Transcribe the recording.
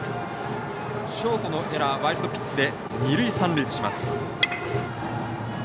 ショートのエラーワイルドピッチで二塁、三塁にします。